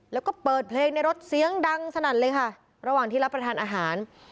แล้วก็เปิดเพลงในรถเสียงดังสนั่นเลยค่ะระหว่างที่รับประทานอาหาร